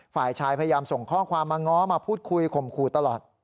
ฝ่ายชายพยายามส่งข้อความมาง้อมาพูดคุยข่มขู่ตลอด